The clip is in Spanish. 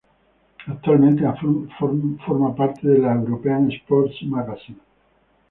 Actualmente forma parte de European Sports Magazines.